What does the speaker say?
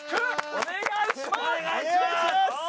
お願いします！